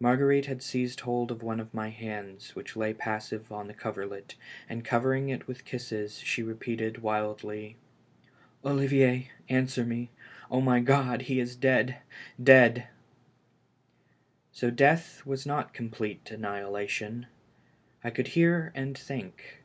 Marguerite had seized hold of one of my hands wliich lay passive on the coverlet, and covering it with kisses she repeated, wildly : "Olivier, answer me. Oh, my God I he is dead, dead I " So death was not complete annihilation. I could hear and think.